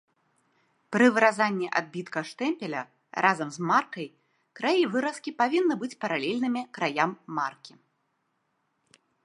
Пры выразанні адбітка штэмпеля разам з маркай краі выразкі павінны быць паралельнымі краям маркі.